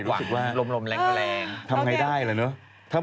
เล่มนี้ก็ต้องมี๑๐๐ฉบับ